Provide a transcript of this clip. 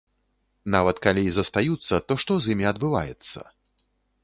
Нават калі і застаюцца, то што з імі адбываецца?